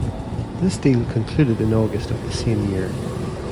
This deal concluded in August of the same year.